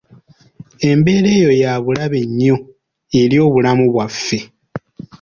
Embeera eyo ya bulabe nnyo eri obulamu bwaffe.